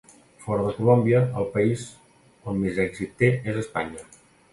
Fora de Colòmbia, el país on més èxit té és Espanya.